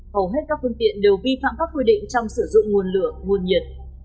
hầu hết các phương tiện đều vi phạm các quy định trong sử dụng nguồn lửa nguồn nhiệt